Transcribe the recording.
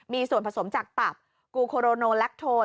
มีส่วนผสมจากตับกูโคโรโนแลคโทน